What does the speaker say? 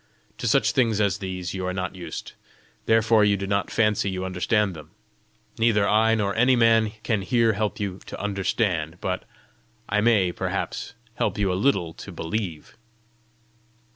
To such things as these you are not used, therefore you do not fancy you understand them. Neither I nor any man can here help you to understand; but I may, perhaps, help you a little to believe!"